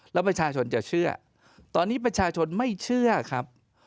แล้วประชาชนจะเชื่อตอนนี้ประชาชนไม่เชื่อครับ